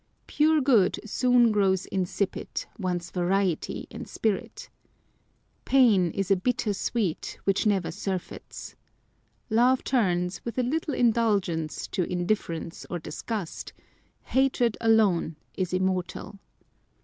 Pure good soon grows insipid, wants variety and spirit. Pain is a bitter sweet, which never surfeits. Love turns, with a little indulgence, to indifference or disgust : hatred alone is immortal.